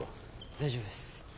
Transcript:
大丈夫です。